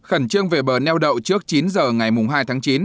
khẩn trương về bờ neo đậu trước chín giờ ngày hai tháng chín